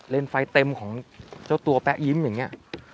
ไฟเต็มของเจ้าตัวแป๊ะยิ้มอย่างนี้